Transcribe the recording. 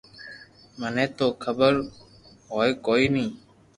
مني تو خبر ھو ڪوئي ني